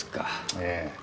ええ。